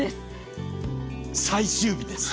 最終日です。